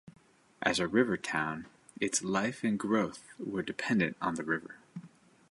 As a river town, its life and growth were dependent on the river.